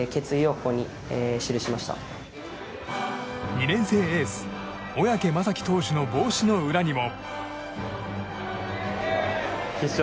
２年生エース小宅雅己投手の帽子の裏にも。